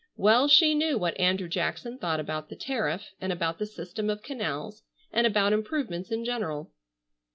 Well she knew what Andrew Jackson thought about the tariff, and about the system of canals, and about improvements in general.